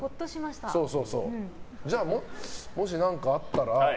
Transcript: じゃあ、もし何かあったら。